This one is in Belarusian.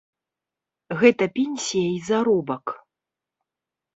Гэта пенсія і заробак.